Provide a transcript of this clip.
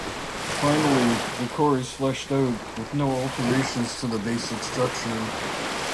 Finally, the core is fleshed out with no alterations to the basic structure.